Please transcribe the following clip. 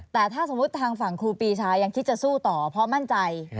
แต่ถ้าสมมุติทางฝั่งครูปีชายังคิดจะสู้ต่อเพราะมั่นใจ